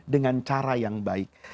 dengan cara yang baik